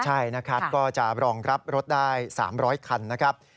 ใช่นะครับก็จะรองรับรถได้๓๐๐คันนะครับ